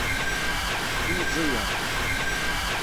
Imẓiyeɣ.